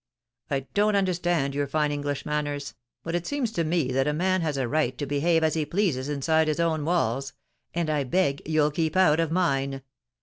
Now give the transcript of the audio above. I don't understand your fine English manners, but it seems to me that a man has a right to behave as he pleases inside his own walls, and I beg you'll keep out of mine.